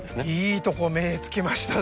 いいとこ目つけましたね。